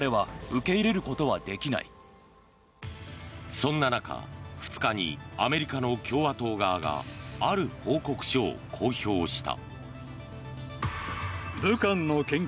そんな中、２日にアメリカの共和党側がある報告書を公表した。